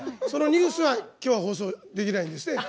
そのニュースはきょう放送できないです。